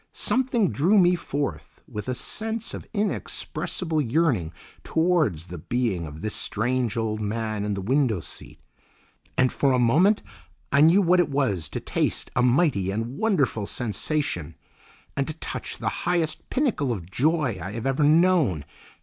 Something drew me forth with a sense of inexpressible yearning towards the being of this strange old man in the window seat, and for a moment I knew what it was to taste a mighty and wonderful sensation, and to touch the highest pinnacle of joy I have ever known.